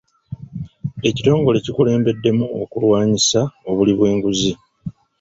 Ekitongole kikulembeddemu okulwanyisa obuli bw'enguzi.